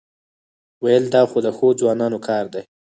وېل دا خو د ښو ځوانانو کار دی.